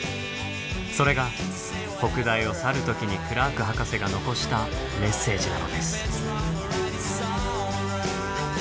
それが北大を去る時にクラーク博士が残したメッセージなのです。